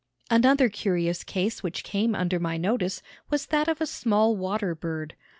Another curious case which came under my notice was that of a small water bird.